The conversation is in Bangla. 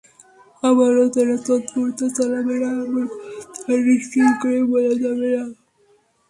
আবারও তারা তৎপরতা চালাবে না, এমন কথা নিশ্চিত করে বলা যাবে না।